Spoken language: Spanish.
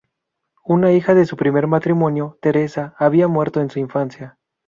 Una hija de su primer matrimonio, Teresa, había muerto en su infancia.